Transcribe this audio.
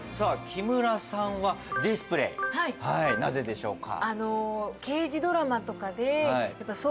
木村さんはディスプレイはいなぜでしょうか？